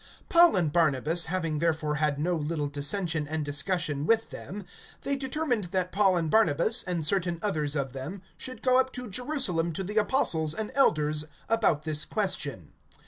(2)Paul and Barnabas having therefore had no little dissension and discussion with them, they determined that Paul and Barnabas, and certain others of them, should go up to Jerusalem to the apostles and elders, about this question.